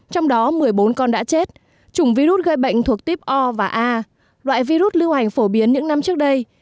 trong đó một mươi bốn con đã chết chủng virus gây bệnh thuộc típ o và a loại virus lưu hành phổ biến những năm trước đây